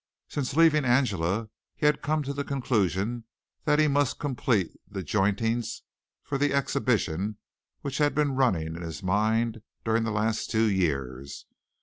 Since leaving Angela he had come to the conclusion that he must complete the jointings for the exhibition which had been running in his mind during the last two years.